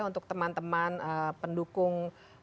untuk teman teman pendukung